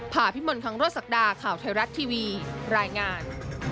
ผ่าพิมลคังโรศักดาข่าวไทยรัฐทีวีรายงาน